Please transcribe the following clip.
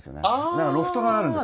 だからロフトがあるんです。